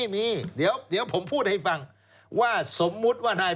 มีคนแก้ตัวได้ด้วย